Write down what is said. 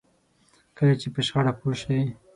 کله چې په شخړه پوه شئ.